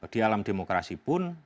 di alam demokrasi pun